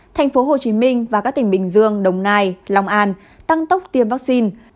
tp hcm và các tỉnh bình dương đồng nai lòng an tăng tốc tiêm vaccine